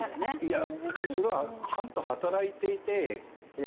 いやそれはちゃんと働いていてええー